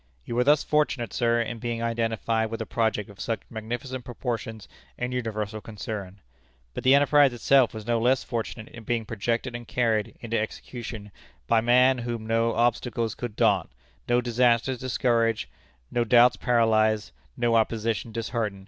You were thus fortunate, sir, in being identified with a project of such magnificent proportions and universal concern. But the enterprise itself was no less fortunate in being projected and carried into execution by a man whom no obstacles could daunt, no disasters discourage, no doubts paralyze, no opposition dishearten.